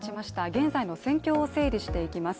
現在の戦況を整理していきます。